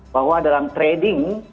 bahwa dalam trading